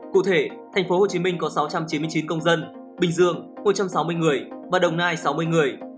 cụ thể tp hcm có sáu trăm chín mươi chín công dân bình dương một trăm sáu mươi người và đồng nai sáu mươi người